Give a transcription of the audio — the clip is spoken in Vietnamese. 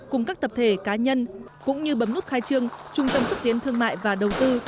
cùng các tập thể cá nhân cũng như bấm nút khai trương trung tâm xúc tiến thương mại và đầu tư